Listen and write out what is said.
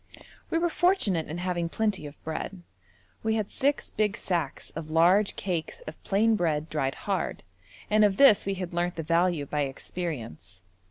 We were fortunate in having plenty of bread. We had six big sacks of large cakes of plain bread dried hard, and of this we had learnt the value by experience.